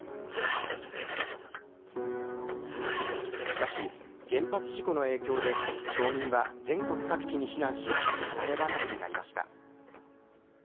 しかし、原発事故の影響で町民は全国各地に避難し離れ離れになりました。